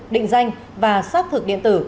định danh và xác thực điện tử